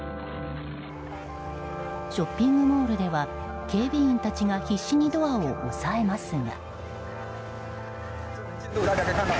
ショッピングモールでは警備員たちが必死にドアを押さえますが。